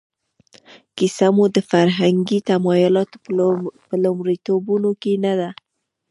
کیسه مو د فرهنګي تمایلاتو په لومړیتوبونو کې نه ده.